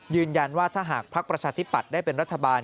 ยืนยันว่าถ้าหากภักดิ์ประชาธิปัตย์ได้เป็นรัฐบาล